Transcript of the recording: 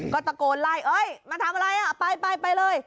ก็ตะโกนไล่เอ๊ยมันทำอะไรไปเลย